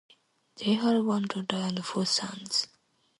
They had one daughter and four sons.